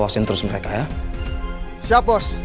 varian yang pribadi ya